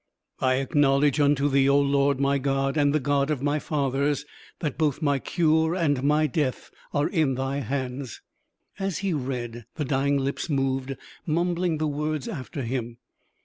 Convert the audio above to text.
"I acknowledge unto Thee, O Lord, my God, and the God of my fathers, that both my cure and my death are in Thy hands...." As he read, the dying lips moved, mumbling the words after him.